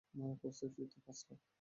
কোর্সের ফি তো পাচ লাখ।